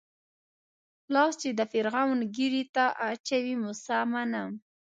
لاس چې د فرعون ږيرې ته اچوي موسی منم.